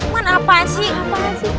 eh lukman apaan sih